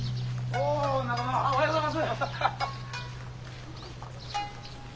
おはようございます。